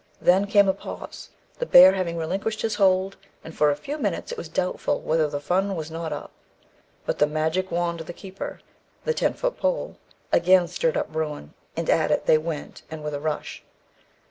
Then came a pause (the bear having relinquished his hold), and for a few minutes it was doubtful whether the fun was not up. But the magic wand of the keeper (the ten foot pole) again stirred up bruin, and at it they went, and with a rush.